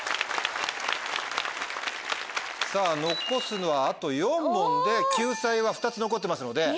残すのはあと４問で救済は２つ残ってますので。